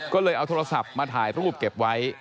ก็เลยเอาโทรศัพท์มาถ่ายรูปเก็บไว้